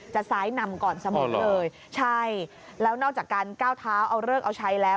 ซ้ายนำก่อนเสมอเลยใช่แล้วนอกจากการก้าวเท้าเอาเลิกเอาใช้แล้ว